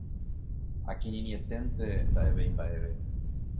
Akirirĩeténte, nda'evéi mba'eve